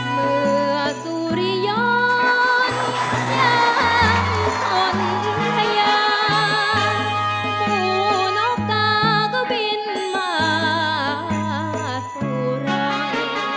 เมื่อสุริยนต์ยังส่อนถึงทะยาหูนอกตาก็บินมาสู่รักษ์